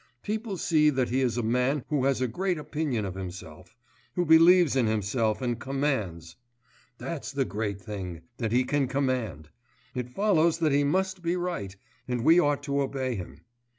People see that he is a man who has a great opinion of himself, who believes in himself, and commands. That's the great thing, that he can command; it follows that he must be right, and we ought to obey him.